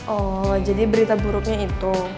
oh jadi berita buruknya itu